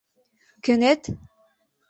— Кӧнет?!